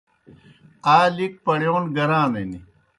آ لِک پڑِیون گرانِن۔